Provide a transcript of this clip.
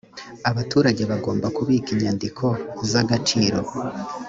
abaturage bagomba kubika inyandiko z’agaciro